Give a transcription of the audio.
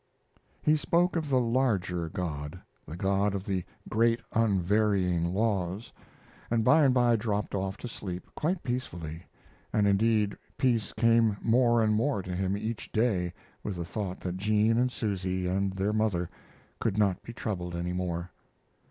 He spoke of the larger God the God of the great unvarying laws, and by and by dropped off to sleep, quite peacefully, and indeed peace came more and more to him each day with the thought that Jean and Susy and their mother could not be troubled any more.